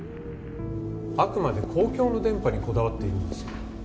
あくまで公共の電波にこだわっているんですよ。